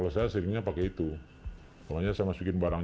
lalu jerat pun dipasang